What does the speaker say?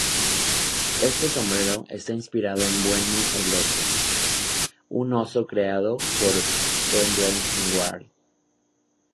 Este sombrero está inspirado en Bueno el oso, un oso creado por Pendleton Ward.